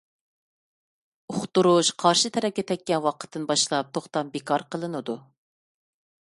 ئۇقتۇرۇش قارشى تەرەپكە تەگكەن ۋاقىتتىن باشلاپ توختام بىكار قىلىنىدۇ.